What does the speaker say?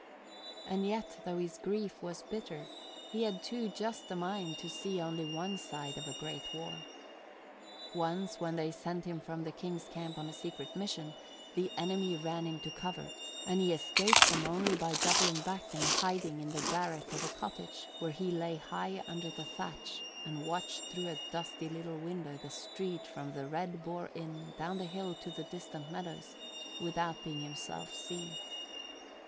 And yet, though his grief was bitter, he had too just a mind to see only one side of a great war. Once, when they sent him from the King's camp on a secret mission, the enemy ran him to cover, and he escaped them only by doubling back and hiding in the garret of a cottage where he lay high under the thatch and watched through a dusty little window the street from the Red Boar Inn down the hill to the distant meadows, without being himself seen.